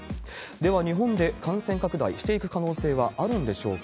では日本で感染拡大していく可能性はあるんでしょうか。